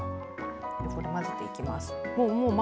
混ぜていきます。